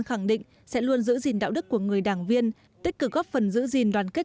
khẳng định sẽ luôn giữ gìn đạo đức của người đảng viên tích cực góp phần giữ gìn đoàn kết